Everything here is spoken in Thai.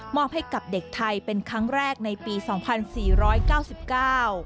อบให้กับเด็กไทยเป็นครั้งแรกในปีสองพันสี่ร้อยเก้าสิบเก้า